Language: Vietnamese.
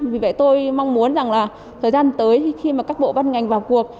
vì vậy tôi mong muốn rằng là thời gian tới khi mà các bộ ban ngành vào cuộc